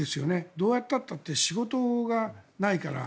どうやったって仕事がないから。